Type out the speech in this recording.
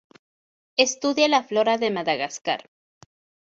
Estudia la flora de Madagascar.